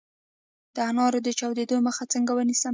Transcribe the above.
د انارو د چاودیدو مخه څنګه ونیسم؟